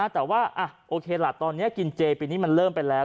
แต่ว่าโอเคล่ะตอนนี้กินเจปีนี้มันเริ่มไปแล้ว